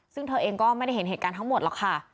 ซึ่งเธอเองก็ไม่ได้เห็นเหตุการณ์ทั้งหมดหรอกค่ะ